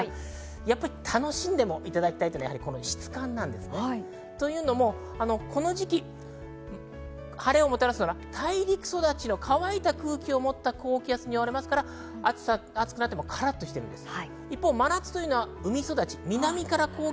やっぱり楽しんでもいただきたくて、質感なんですね。というのもこの時期、晴れをもたらすのは大陸育ちの乾いた空気を持った高気圧によりますから、暑くなってもカラっとしてるんです。